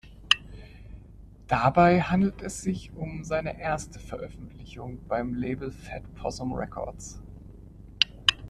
Dabei handelt es sich um seine erste Veröffentlichung beim Label Fat Possum Records.